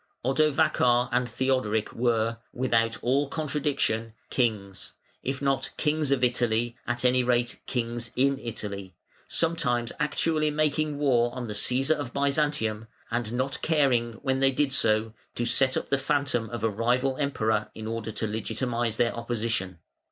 Odovacar and Theodoric were, without all contradiction, kings; if not "kings of Italy", at any rate "kings in Italy", sometimes actually making war on the Cæsar of Byzantium, and not caring, when they did so, to set up the phantom of a rival Emperor in order to legitimise their opposition.